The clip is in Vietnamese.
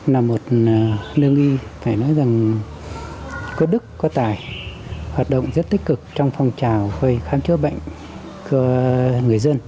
là một lương y phải nói rằng có đức có tài hoạt động rất tích cực trong phong trào khơi khám chữa bệnh cho người dân